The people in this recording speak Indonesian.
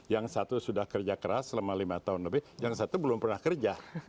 yang satu sudah kerja keras selama lima tahun lebih yang satu belum pernah kerja